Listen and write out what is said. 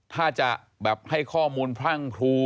ถ้าจะแบบให้ข้อมูลพรั่งครู